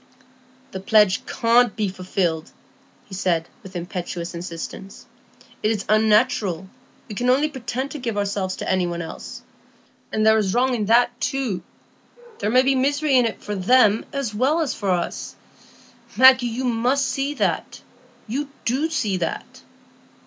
"The pledge can't be fulfilled," he said, with impetuous insistence. "It is unnatural; we can only pretend to give ourselves to any one else. There is wrong in that too; there may be misery in it for them as well as for us. Maggie, you must see that; you do see that."